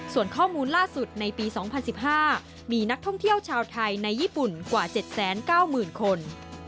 ส่วนข้อมูลล่าสุดในปี๒๐๑๕มีนักท่องเที่ยวชาวไทยในญี่ปุ่นกว่า๗๙๐๐คน